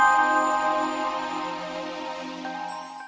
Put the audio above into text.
aduh ini gimana aduh ini saatnya